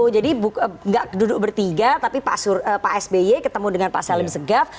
jadi nggak duduk bertiga tapi pak sby ketemu dengan pak salim segaf